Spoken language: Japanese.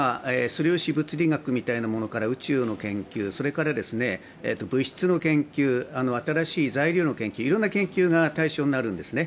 素粒子物理学みたいなものから宇宙の研究、それから、物質の研究新しい材料の研究いろんな研究が対象になるんですね。